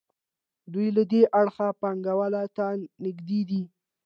دوی له دې اړخه پانګوال ته نږدې دي.